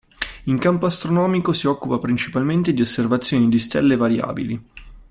In campo astronomico si occupa principalmente di osservazioni di stelle variabili.